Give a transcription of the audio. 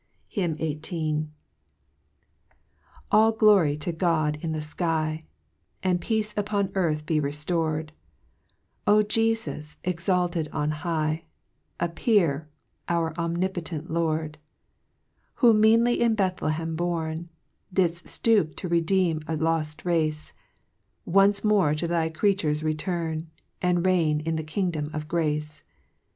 HYMN ( 16 ) HYMN XVIII. 1 A LL glory to God in the fky, jCl. And peace upon earth be rcflor'd ! O Jefus, exalted on high, Appear, our omnipotent Lord 1 Who meanly in Bethlehem born, Did ft (loop to redeem a loft race, Once more to thy creatures return, And reign in the kingdom of grace.